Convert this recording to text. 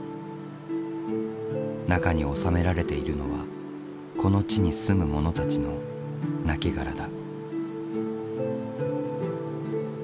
中に納められているのはこの地に住む者たちのなきがらだ。